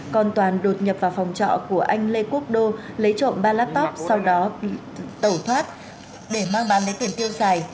còn toàn đột nhập vào phòng trọ của anh lê quốc đô lấy trộm ba laptop sau đó tẩu thoát để mang bán lấy tiền tiêu xài